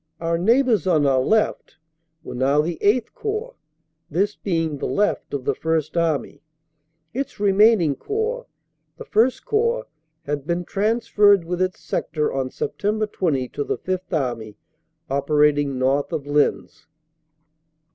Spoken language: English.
Our neighbors on our left were now the VIII Corps, this being the left of the First Army. Its remaining Corps, the I Corps, had been transferred with its sector on Sept. 20 to the Fifth Army, operating north of Lens.